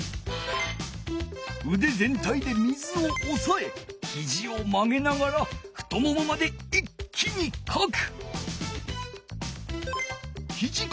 うで全体で水をおさえひじを曲げながら太ももまで一気にかく！